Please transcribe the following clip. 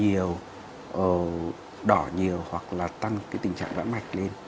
nó làm cho chúng ta tình trạng viêm nhiều đỏ nhiều hoặc là tăng cái tình trạng rãn mạch lên